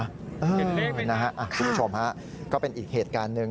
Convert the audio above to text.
คุณผู้ชมฮะก็เป็นอีกเหตุการณ์หนึ่ง